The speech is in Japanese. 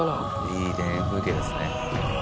いい田園風景ですね。